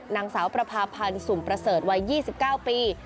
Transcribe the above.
นางสาวประพาพันธ์สุ่มประเสริฐวัย๒๙ปี